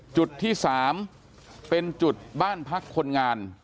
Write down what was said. จุดที่๓เป็นจุดบ้านพักคนงาน